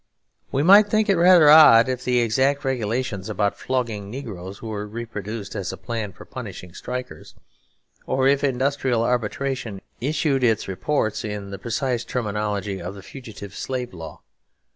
We might think it rather odd if the exact regulations about flogging negroes were reproduced as a plan for punishing strikers; or if industrial arbitration issued its reports in the precise terminology of the Fugitive Slave Law.